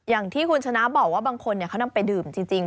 อย่างที่คุณชนะบอกว่าบางคนเขานำไปดื่มจริง